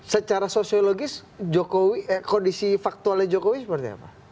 secara sosiologis jokowi eh kondisi faktualnya jokowi seperti apa